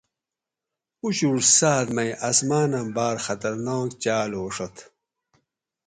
اچھوٹ ساۤت ماۤئ آۤسماۤنہ باۤر خطرناک چاۤل ھوڛت